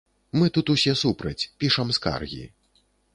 Мы тут усе супраць, пішам скаргі.